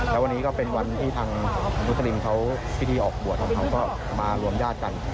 แล้ววันนี้ก็เป็นวันที่ทางมุสลิมเขาพิธีออกบวชของเขาก็มารวมญาติกัน